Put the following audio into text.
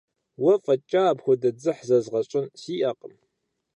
Уэ фӀэкӀа апхуэдэ дзыхь зэзгъэзын сиӀэкъым.